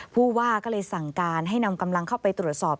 ผู้ว่าก็เลยสั่งการให้นำกำลังเข้าไปตรวจสอบ